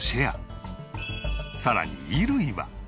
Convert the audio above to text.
さらに衣類は。